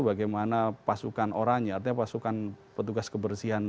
bagaimana pasukan orangnya artinya pasukan petugas kebersihan